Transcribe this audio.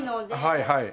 はいはい。